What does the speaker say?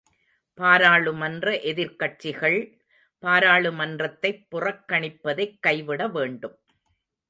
பாராளுமன்ற எதிர்க் கட்சிகள் பாராளுமன்றத்தைப் புறக்கணிப்பதைக் கைவிட வேண்டும்.